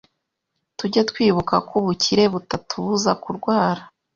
Tujye twibuka ko ubukire butatubuza kurwara,